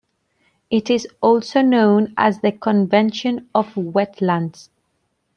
It is also known as the Convention on Wetlands.